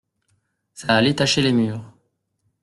Ça allait tacher les murs.